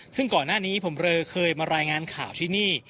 ซึ่งก่อนหน้านี้ผมเลยเคยมารายงานข่าวที่นี่